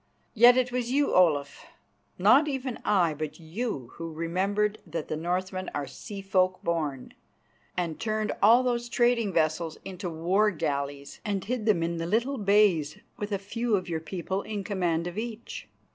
Yet it was you, Olaf, not even I, but you, who remembered that the Northmen are seafolk born, and turned all those trading vessels into war galleys and hid them in the little bays with a few of your people in command of each.